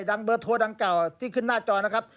ดังเบอร์โทรดังเก่าที่ขึ้นหน้าจอนะครับ